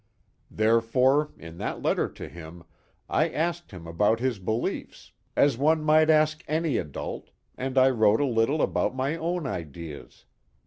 Therefore in that letter to him I asked him about his beliefs, as one might ask any adult, and I wrote a little about my own ideas.